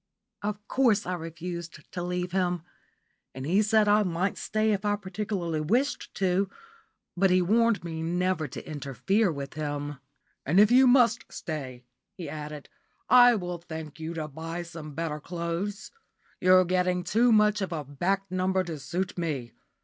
Of course I refused to leave him, and he said I might stay if I particularly wished to, but he warned me never to interfere with him. "And if you must stay," he added, "I will thank you to buy some better clothes. You're getting too much of a back number to suit me.